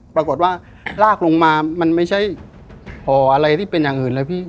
ปรากฏว่าลากลงมามันไม่ใช่ห่ออะไรที่เป็นอย่างอื่นเลยพี่